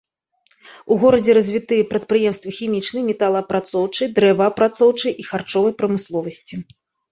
У горадзе развітыя прадпрыемствы хімічнай, металаапрацоўчай, дрэваапрацоўчай і харчовай прамысловасці.